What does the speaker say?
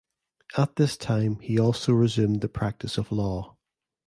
At this time he also resumed the practice of law.